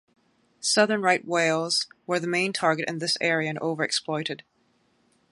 Southern right whales were the main target in this area and over exploited.